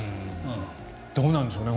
どうなんでしょうね。